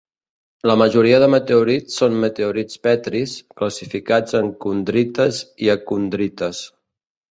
La majoria de meteorits són meteorits petris, classificats en condrites i acondrites.